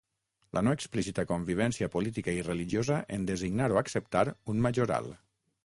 La no explícita convivència política i religiosa en designar o acceptar un majoral.